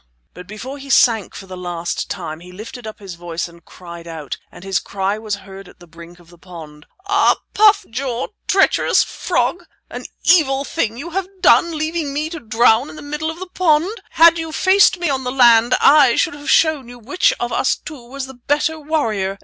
But before he sank for the last time he lifted up his voice and cried out and his cry was heard at the brink of the pond: "Ah, Puff Jaw, treacherous frog! An evil thing you have done, leaving me to drown in the middle of the pond. Had you faced me on the land I should have shown you which of us two was the better warrior.